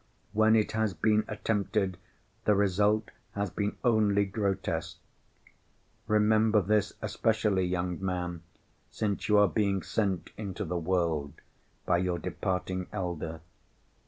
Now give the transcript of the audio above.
When it has been attempted, the result has been only grotesque. Remember this especially, young man, since you are being sent into the world by your departing elder.